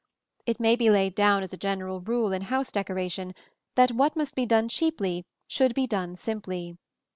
It may be laid down as a general rule in house decoration that what must be done cheaply should be done simply.